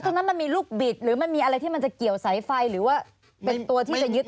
ตรงนั้นมันมีลูกบิดหรือมันมีอะไรที่มันจะเกี่ยวสายไฟหรือว่าเป็นตัวที่จะยึด